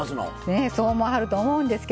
ねえそう思わはると思うんですけどね